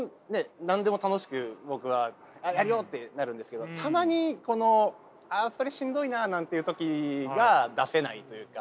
何でも楽しく僕は「やるよ！」ってなるんですけどたまにこのあそれしんどいななんていう時が出せないというか。